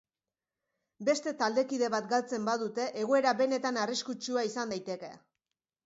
Beste taldekide bat galtzen badute, egoera benetan arriskutsua izan daiteke.